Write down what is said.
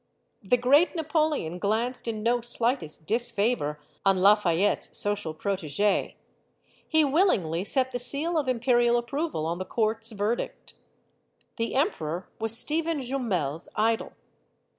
The great Napoleon glanced in no slightest disfavor on Lafayette's social protegee. He willingly set the seal of imperial approval on the court's verdict The emperor was Stephen Jumel's idol.